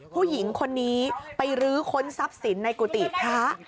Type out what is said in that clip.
ผู้หญิงคนนี้ไปรื้อค้นทรัพย์สินในกุฏิพระ